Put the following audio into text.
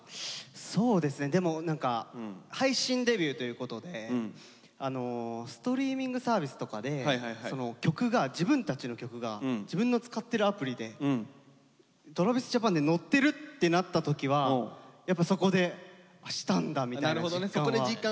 そうですねでも何か配信デビューということでストリーミングサービスとかで曲が自分たちの曲が自分の使ってるアプリでＴｒａｖｉｓＪａｐａｎで載ってるってなった時はやっぱそこで「したんだ」みたいな実感は。